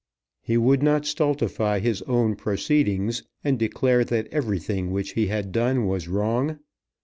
He would not stultify his own proceedings, and declare that everything which he had done was wrong.